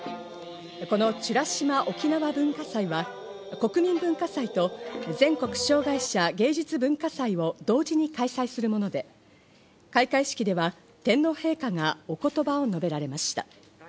この美ら島おきなわ文化祭は、国民文化祭と全国障害者・芸術文化祭を同時に開催するもので、開会式では天皇陛下がお言葉を述べられました。